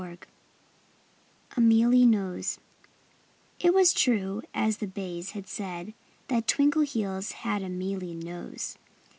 XX A MEALY NOSE It was true, as the bays had said, that Twinkleheels had a mealy nose.